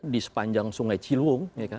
di sepanjang sungai ciliwung